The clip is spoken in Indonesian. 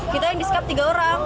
kita yang disekap tiga orang